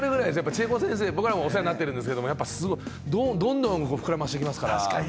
千重子先生、僕らもお世話になってるんですけれど、どんどん膨らませていきますから。